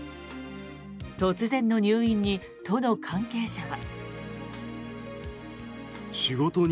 突然の入院に、都の関係者は。